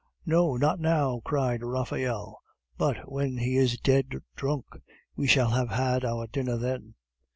"No, not now," cried Raphael, "but when he is dead drunk, we shall have had our dinner then."